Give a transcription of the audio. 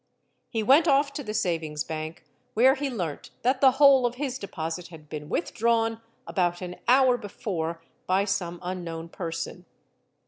He went off to the savings bank, where he learnt that the whole of his deposit had been withdrawn about an hour before by some unknown person.